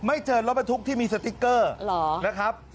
ไม่เจอรถบรรทุกที่มีสติกเกอร์